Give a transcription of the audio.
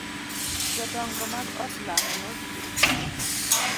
Jodongo mag odlamo no biro.